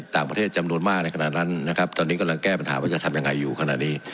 ต่างประเทศจำนวนมากในขณะนั้นนะครับตอนนี้กำลังแก้ปัญหาว่าจะทำยังไงอยู่ขณะนี้